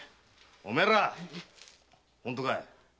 お前ら本当かい？